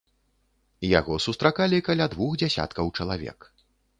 Яго сустракалі каля двух дзясяткаў чалавек.